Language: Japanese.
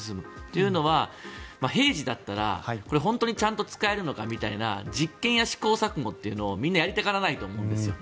というのは、平時だったら本当にちゃんと使えるのかみたいな実験や試行錯誤っていうのをみんなやりたがらないと思うんですよ。